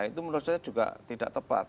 itu menurut saya juga tidak tepat